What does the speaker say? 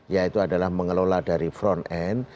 yaitu adalah mengelola dari front end